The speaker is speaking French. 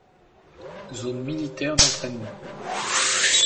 Zone militaire d'entraînement.